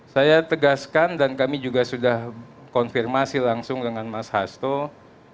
saya tegaskan dan kami juga sudah konfirmasi langsung dengan mas hasto